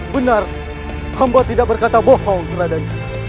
benar amba tidak berkata bohong raden